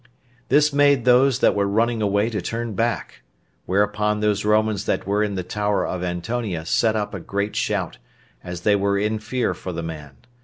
This made those that were running away to turn back; whereupon those Romans that were in the tower of Antonia set up a great shout, as they were in fear for the man.